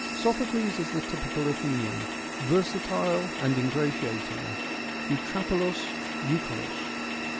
Sophocles is the typical Athenian, versatile and ingratiating, ' eutrapelos, eukolos.'